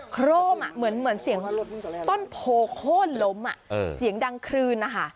โคร่มเหมือนเสียงต้นโพโค้นล้มเสียงดังคลืนนะคะ